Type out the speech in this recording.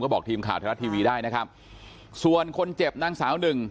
บอกทีมข่าวไทยรัฐทีวีได้นะครับส่วนคนเจ็บนางสาวหนึ่ง